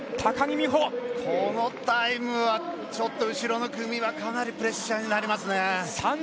このタイムは後ろの組はかなりプレッシャーになりますね。